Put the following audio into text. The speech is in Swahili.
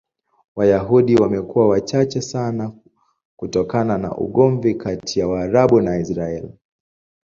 Wayahudi wamekuwa wachache sana kutokana na ugomvi kati ya Waarabu na Israel.